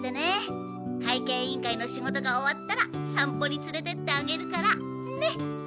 会計委員会の仕事が終わったらさんぽにつれてってあげるからねっ。